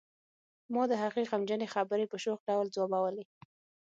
ما د هغې غمجنې خبرې په شوخ ډول ځوابولې